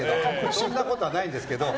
そんなことはないですけど。